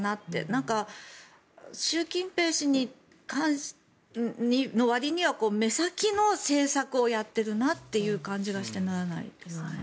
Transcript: なんか、習近平氏のわりには目先の政策をやっているなっていう感じがしてならないですね。